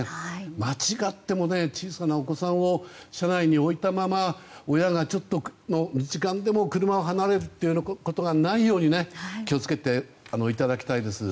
間違っても小さなお子さんを車内に置いたまま親がちょっとの時間でも車を離れることがないように気を付けていただきたいです。